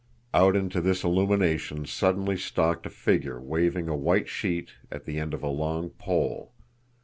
Out into this illumination suddenly stalked a figure waving a white sheet at the end of a long pole.